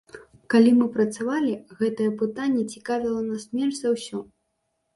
Калі мы працавалі, гэтае пытанне цікавіла нас менш за ўсё.